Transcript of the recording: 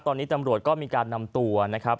ตอนนี้ตำรวจก็มีการนำตัวนะครับ